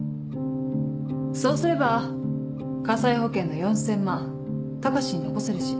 そうすれば火災保険の４０００万高志に残せるし。